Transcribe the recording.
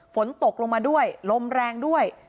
ฝนตกลงมาด้วยลมแรงด้วย